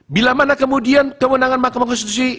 bila mana kemudian kewenangan mahkamah konstitusi